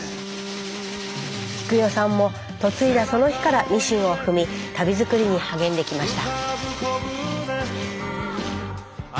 喜久代さんも嫁いだその日からミシンを踏み足袋作りに励んできました。